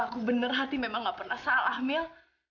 aku bener hati memang gak pernah salah mil